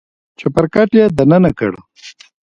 چپرکټ يې دننه کړ.